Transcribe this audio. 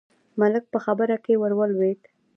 ملک په خبره کې ور ولوېد: